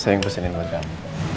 saya yang pesenin buat kamu